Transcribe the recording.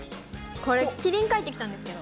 これ、キリン描いてきたんですけど。